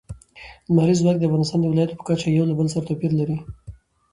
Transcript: لمریز ځواک د افغانستان د ولایاتو په کچه یو له بل سره توپیر لري.